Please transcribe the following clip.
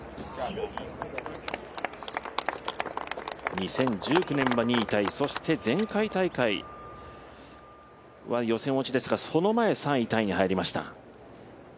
２０１９年は２位タイそして前回大会は予選落ちですか、その前３位タイに入りました。